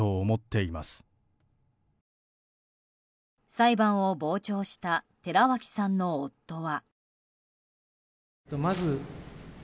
裁判を傍聴した寺脇さんの夫は。